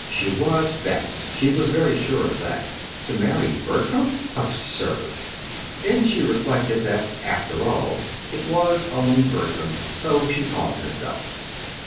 She was vexed; she was very sure of that. To marry Bertram? Absurd!... Then she reflected that, after all, it was only Bertram, so she calmed herself.